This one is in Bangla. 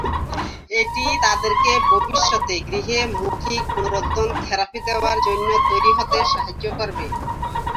এটি তাদেরকে ভবিষ্যতে গৃহে মৌখিক পুনরুদন থেরাপি দেয়ার জন্য তৈরি হতে সাহায্য করবে।